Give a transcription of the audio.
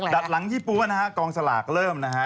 ดัดหลังยี่ปั๊วนะฮะกองสลากเริ่มนะฮะ